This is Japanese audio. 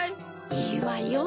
いいわよ。